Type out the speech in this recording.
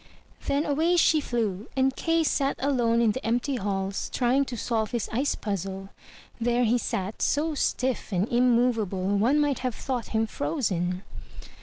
Then away she flew, and Kay sat alone in the empty halls trying to solve his ice puzzle. There he sat so stiff and immovable one might have thought him frozen.